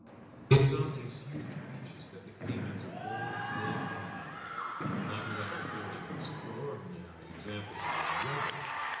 It is on these huge beaches that the caymans are born, live, and die, not without affording extraordinary examples of longevity.